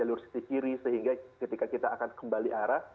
jalur sisi kiri sehingga ketika kita akan kembali arah